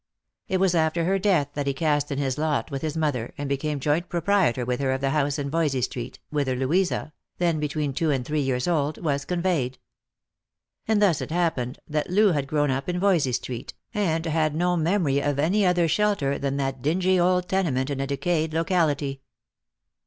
It was after her death that he cast in his lot with his mother, and became joint proprietor with her of the house in Voysey street, whither Louisa — then between two and three years old — was conveyed. And thus it happened that Loo had grown up in Yoysey street, and had no memory of any other shelter than that dingy old tenement in a decayed locality.